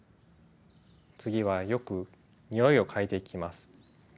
次はよく匂いを嗅いでいきます。